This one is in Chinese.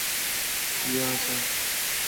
是中国技术经济学奠基人。